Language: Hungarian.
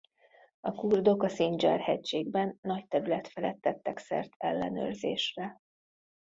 A kurdok a Szindzsár-hegységben nagy terület felett tettek szert ellenőrzésre.